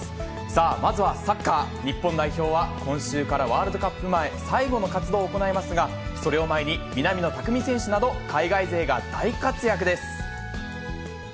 さあ、まずはサッカー、日本代表は今週から、ワールドカップ前、最後の活動を行いますが、それを前に、南野拓実選手など、海外勢が大活躍です。